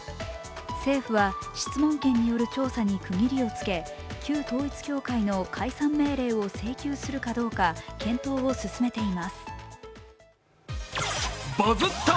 政府は質問権による調査に区切りをつけ旧統一教会の解散命令を請求するかどうか検討を進めています。